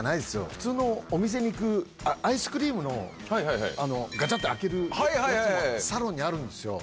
普通のお店に置く、アイスクリームのがちゃって開けるやつがサロンにあるんですよ。